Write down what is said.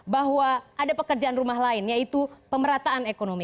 bahwa ada pekerjaan rumah lain yaitu pemerataan ekonomi